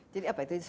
jadi apa itu